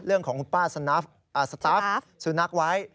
เรื่องของคุณป้าสุนัขไว้